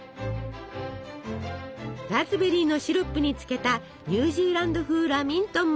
ラズベリーのシロップにつけたニュージーランド風ラミントンも誕生！